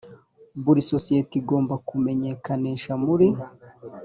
buri sosiyete igomba kumenyekanisha muri